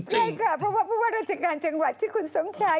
ใช่ค่ะเพราะว่าผู้ว่าราชการจังหวัดชื่อคุณสมชาย